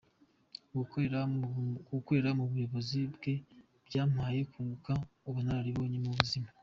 Gukorera mu buyobozi bwe byampaye kunguka ubunararibonye mu buzima.